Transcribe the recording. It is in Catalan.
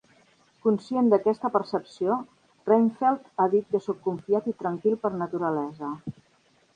Conscient d'aquesta percepció, Reinfeldt ha dit que soc confiat i tranquil per naturalesa.